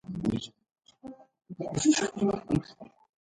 Gandil retired from the majors.